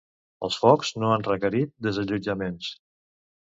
Els focs no han requerit desallotjaments.